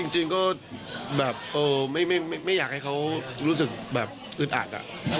จริงก็แบบไม่อยากให้เขารู้สึกแบบอึดอัด